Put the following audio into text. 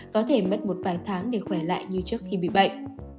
có thể mất một vài tháng để khỏe lại như trước khi bị bệnh